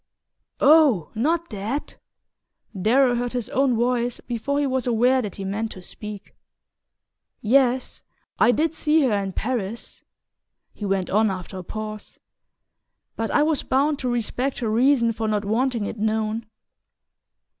"Oh, not that!" Darrow heard his own voice before he was aware that he meant to speak. "Yes; I did see her in Paris," he went on after a pause; "but I was bound to respect her reason for not wanting it known."